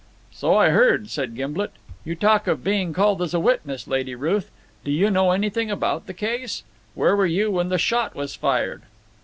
"So I heard," said Gimblet "You talk of being called as a witness, Lady Ruth. Do you know anything about the case? Where were you when the shot was fired?"